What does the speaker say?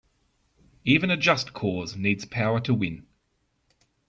Even a just cause needs power to win.